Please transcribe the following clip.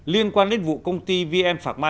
liên quan đến vụ công ty vm phạc ma